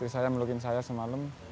saya melukin saya semalam